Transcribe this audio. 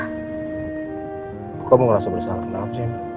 kok kamu ngerasa bersalah kenapa sih